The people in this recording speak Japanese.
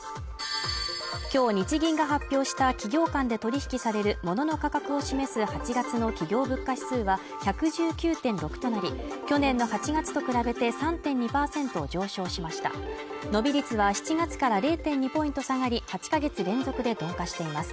今日、日銀が発表した企業間で取引されるモノの価格を示す８月の企業物価指数は１１９．６となり去年の８月と比べて３．２％上昇しました伸び率は７月から０．２ポイント下がり８カ月連続で鈍化しています